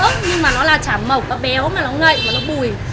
nhưng mà nó là chả mỏng nó béo nó ngậy nó bùi